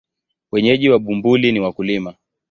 Wenyeji wa Bumbuli ni wakulima.